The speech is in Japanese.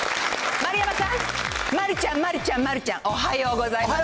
丸山さん、丸ちゃん、丸ちゃん、丸ちゃん、おはようございます。